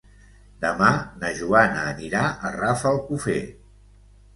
Demà na Joana anirà a Rafelcofer.